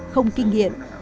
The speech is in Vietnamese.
không kinh nghiệm